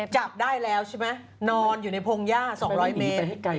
จับได้แล้วใช่ไหมนอนอยู่ในพงหญ้า๒๐๐เมตร